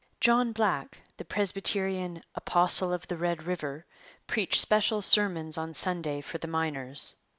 John Black, the Presbyterian 'apostle of the Red River,' preached special sermons on Sunday for the miners.